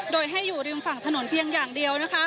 โดยให้อยู่ริมฝั่งถนนเพียงอย่างเดียว